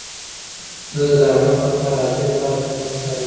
زه د زعفرانو لپاره عاجل بار خدمت کاروم.